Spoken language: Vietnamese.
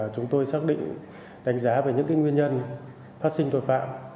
chúng tôi xác định đánh giá về những nguyên nhân phát sinh tội phạm